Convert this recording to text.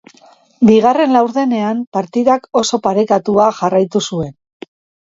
Bigarren laurdenean partidak oso parekatua jarraitu zuen.